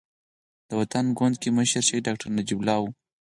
د وطن ګوند کې مشر شهيد ډاکټر نجيب الله وو.